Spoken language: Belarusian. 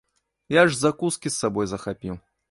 Я ж закускі з сабою захапіў.